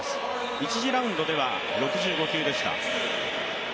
１次ラウンドでは６５球でした。